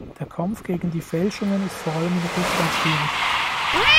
Der Kampf gegen die Fälschungen ist vor allem in Russland schwierig.